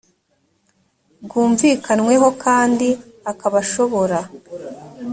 bwumvikanweho kandi akaba ashobora